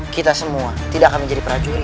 kita semua tidak akan menjadi prajurit